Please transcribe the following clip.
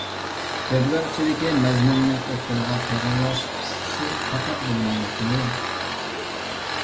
جەدۋەل ئىچىدىكى مەزمۇننى ئوتتۇرىغا توغرىلاش ئىشى پەقەت بولمايۋاتىدۇ.